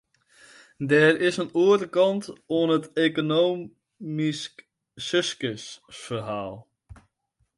Der is in oare kant oan it ekonomysk suksesferhaal.